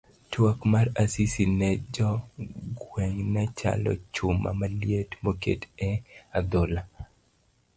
Twak mar Asisi ne jo gweng' ne chalo chuma maliet moket e a dhola.